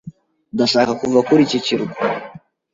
Ndashaka kuva kuri iki kirwa.